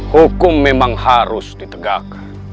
hukum memang harus ditegakkan